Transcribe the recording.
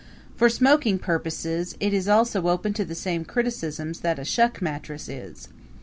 For smoking purposes it is also open to the same criticisms that a shuck mattress is.